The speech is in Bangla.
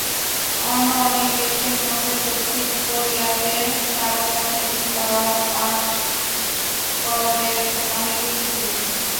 অন্য অনেক দেশের মতোই দক্ষিণ কোরিয়াতেও তারকা খ্যাতি পাওয়া পাচকদের অনেকেই পুরুষ।